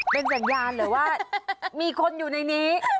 เป็นสัญญาณหรือว่ามีคนอยู่ในนี้